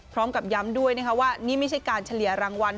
พร้อมกับย้ำด้วยนะคะว่านี่ไม่ใช่การเฉลี่ยรางวัล